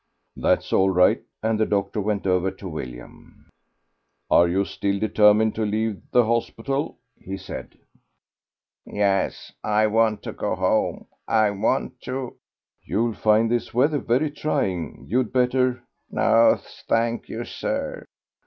"That's all right;" and the doctor went over to William. "Are you still determined to leave the hospital?" he said. "Yes, I want to go home. I want to " "You'll find this weather very trying; you'd better " "No, thank you, sir.